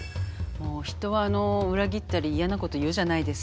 もう人は裏切ったり嫌なこと言うじゃないですか。